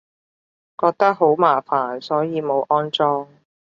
覺得好麻煩，所以冇安裝